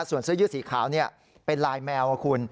ส่วนเสื้อยืดสีขาวเป็นลายแมวคุณ